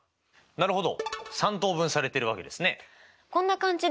なるほど。